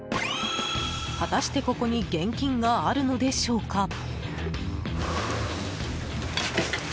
果たして、ここに現金があるのでしょうか。